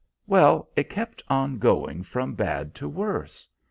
"] "Well, it kept on going from bad to worse.